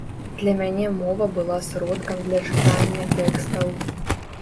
Для мяне мова была сродкам для чытання тэкстаў.